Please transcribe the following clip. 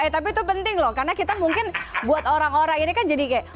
tapi itu penting loh karena kita mungkin buat orang orang ini kan jadi kayak